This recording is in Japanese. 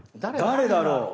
「誰だろう？」